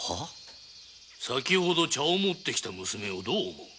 さきほど茶を持って来た娘をどう思う？